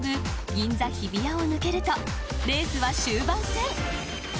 銀座、日比谷を抜けるとレースは終盤戦。